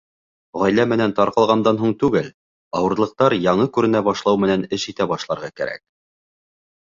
— Ғаилә менән тарҡалғандан һуң түгел, ауырлыҡтар яңы күренә башлау менән эш итә башларға кәрәк.